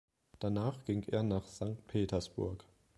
Danach ging er nach Sankt Petersburg.